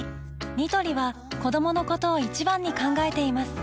ニトリは子どものことを一番に考えています